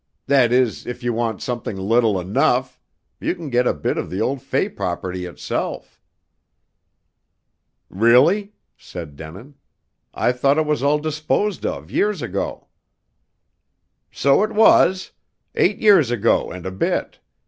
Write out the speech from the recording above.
"That is, if you want something little enough, you can get a bit of the old Fay property itself." "Really?" said Denin. "I thought it was all disposed of years ago." "So it was. Eight years ago and a bit.